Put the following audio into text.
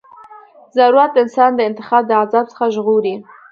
ضرورت انسان د انتخاب د عذاب څخه ژغوري.